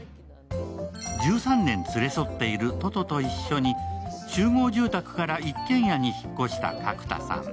１３年連れ添っているトトと一緒に集合住宅から一軒家に引っ越した角田さん。